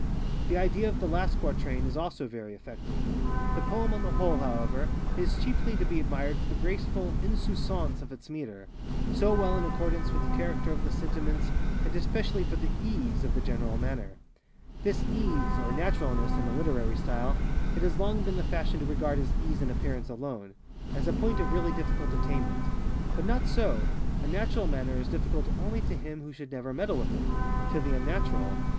The idea of the last quatrain is also very effective. The poem on the whole, however, is chiefly to be admired for the graceful _insouciance _of its metre, so well in accordance with the character of the sentiments, and especially for the _ease _of the general manner. This ŌĆ£easeŌĆØ or naturalness, in a literary style, it has long been the fashion to regard as ease in appearance aloneŌĆöas a point of really difficult attainment. But not so:ŌĆöa natural manner is difficult only to him who should never meddle with itŌĆöto the unnatural.